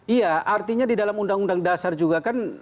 iya artinya di dalam undang undang dasar juga kan